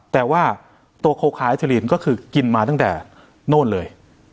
แต่ว่าตัวโคคาไอเทอลีนก็คือกินมาตั้งแต่โน่นเลย